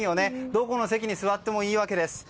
どこの席に座ってもいいわけです。